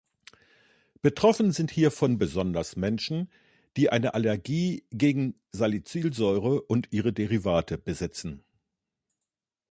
Betroffen sind hiervon besonders Menschen die eine Allergie gegen Salicylsäure und ihre Derivate besitzen.